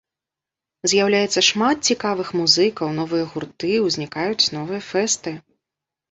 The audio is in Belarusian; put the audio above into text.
З'яўляецца шмат цікавых музыкаў, новыя гурты, узнікаюць новыя фэсты.